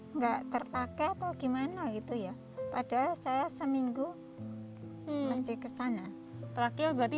enggak terpakai bagaimana itu ya pada saya seminggu masih kesana terakhir berarti dua ribu sembilan belas